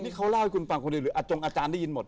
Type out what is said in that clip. นี่เขาเล่าให้คุณฟังคนเดียวหรืออาจงอาจารย์ได้ยินหมด